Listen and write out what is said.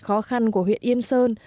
khó khăn của huyện yên sơn